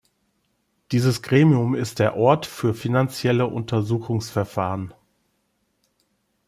Dieses Gremium ist der Ort für finanzielle Untersuchungsverfahren.